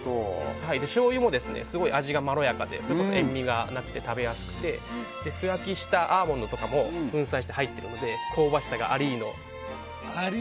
しょうゆもすごく味がまろやかでそれこそ塩みがなくて食べやすくて素焼きしたアーモンドとかも粉砕して入っているので香ばしさがありーの。